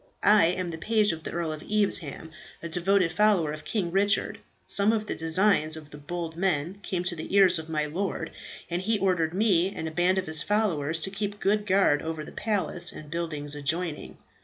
I am the page of the Earl of Evesham, a devoted follower of King Richard. Some of the designs of the bold men came to the ears of my lord, and he ordered me and a band of his followers to keep good guard over the palace and buildings adjoining.